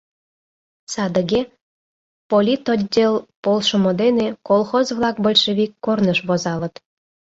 Садыге, политотдел полшымо дене, колхоз-влак большевик корныш возалыт.